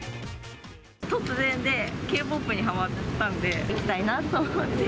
突然で、Ｋ−ＰＯＰにはまったんで、行きたいなと思って。